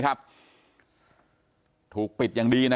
กลุ่มตัวเชียงใหม่